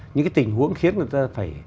những cái tình huống khiến người ta phải